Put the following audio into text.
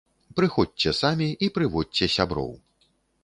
Прыходзьце самі і прыводзьце сяброў!